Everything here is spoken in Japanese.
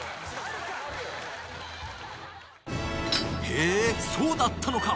へーそうだったのか！